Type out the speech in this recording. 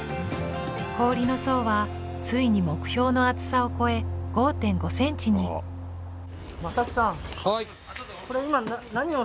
氷の層はついに目標の厚さを超え５．５ｃｍに正木さん。